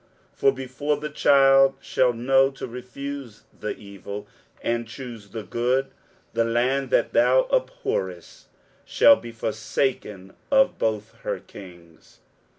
23:007:016 For before the child shall know to refuse the evil, and choose the good, the land that thou abhorrest shall be forsaken of both her kings.